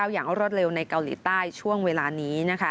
อย่างรวดเร็วในเกาหลีใต้ช่วงเวลานี้